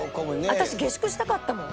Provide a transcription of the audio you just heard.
私下宿したかったもん。